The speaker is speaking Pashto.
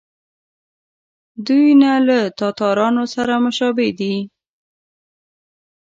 دوی نه له تاتارانو سره مشابه دي.